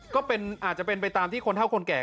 ก็อาจจะเป็นไปตามที่คนเท่าคนแก่